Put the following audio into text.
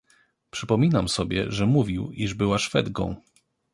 "Przypominam sobie, że mówił, iż była szwedką."